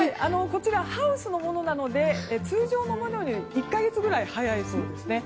こちらハウスのものなので通常のものより１か月くらい早いそうです。